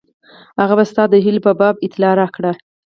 هغه به ستا د هیلو په باب اطلاع راکړي.